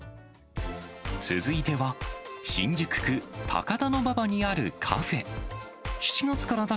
続いては、新宿区高田馬場にあるカフェ。